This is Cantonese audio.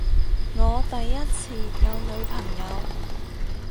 我第一次有女朋友